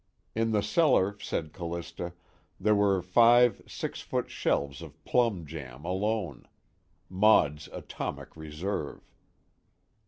In the cellar, said Callista, there were five six foot shelves of plum jam alone Maud's atomic reserve.